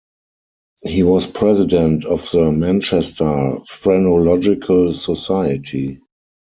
He was President of the Manchester Phrenological Society.